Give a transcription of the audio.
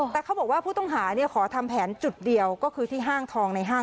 แต่เขาบอกว่าผู้ต้องหาขอทำแผนจุดเดียวก็คือที่ห้างทองในห้าง